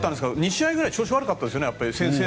２試合くらい調子悪かったですよね。